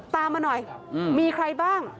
มาหน่อยมีใครบ้าง